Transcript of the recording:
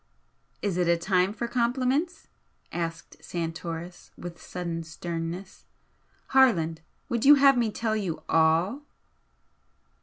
"Is it a time for compliments?" asked Santoris, with sudden sternness "Harland, would you have me tell you ALL?"